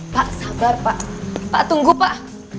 pak sabar pak pak tunggu pak